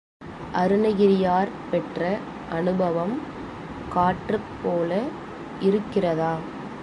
அருணகிரியார் பெற்ற அநுபவம் காற்றுப் போல இருக்கிறதா?